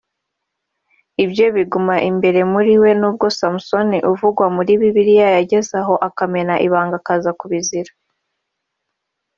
ibye biguma imbere muri we nubwo Samson uvugwa muri Bibiliya yageze aho akamena ibanga akaza no kubizira